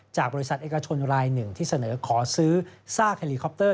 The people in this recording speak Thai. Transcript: จากบริษัทเอกชนรายหนึ่งที่เสนอขอซื้อซากเฮลีคอปเตอร์